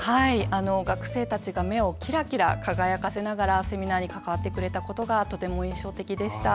学生たちが目をキラキラ輝かせながらセミナーに関わってくれたことがとても印象的でした。